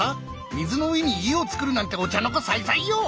水の上に家を作るなんてお茶の子さいさいよ！